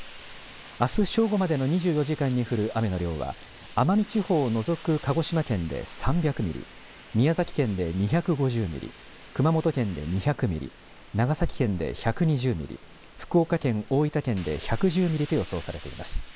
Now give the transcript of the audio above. あす正午までの２４時間に降る雨の量は奄美地方を除く鹿児島県で３００ミリ、宮崎県で２５０ミリ、熊本県で２００ミリ、長崎県で１２０ミリ、福岡県、大分県で１１０ミリと予想されています。